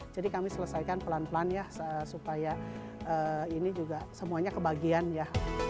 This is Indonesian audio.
jadi kami selesaikan pelan pelan ya supaya ini juga semuanya kebagian ya